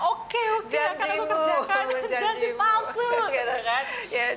oke oke aku akan bekerjakan